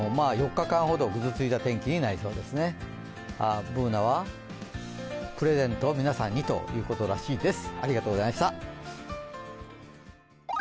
Ｂｏｏｎａはプレゼントを皆さんにということらしいです。